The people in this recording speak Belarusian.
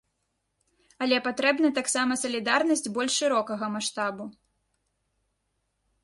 Але патрэбна таксама салідарнасць больш шырокага маштабу.